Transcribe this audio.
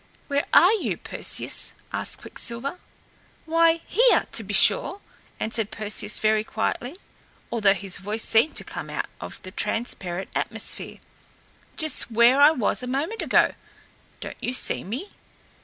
"Where are you, Perseus?" asked Quicksilver. "Why, here, to be sure!" answered Perseus very quietly, although his voice seemed to come out of the transparent atmosphere. "Just where I was a moment ago. Don't you see me?"